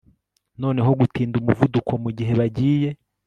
Noneho gutinda umuvuduko mugihe bagiye